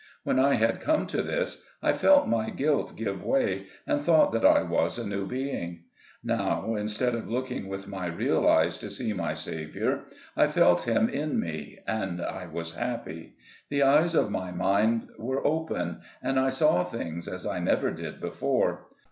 When I had come to this, I felt my guilt give way, and thought that I was a new being. Now, instead of looking with my real eyes to see my Saviour, I felt him in me, and I was happy. The eyes of my mind were open, and I saw things as I never did before.